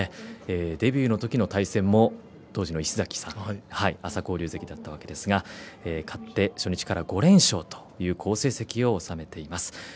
デビュー時の対戦も当時の石崎さん朝紅龍関だったわけですが勝って初日から５連勝という好成績を収めています。